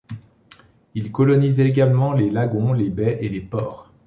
Il colonise également les lagons, les baies et les ports.